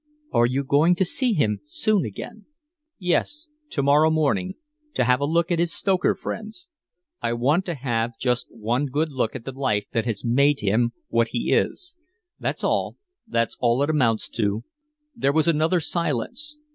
"Are you going to see him soon again?" "Yes to morrow morning to have a look at his stoker friends. I want to have just one good look at the life that has made him what he is. That's all that's all it amounts to " There was another silence.